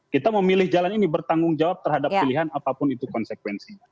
kita memilih jalan ini bertanggung jawab terhadap pilihan apapun itu konsekuensinya